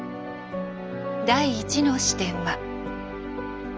第１の視点は。